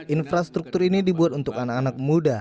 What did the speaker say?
infrastruktur ini dibuat untuk anak anak muda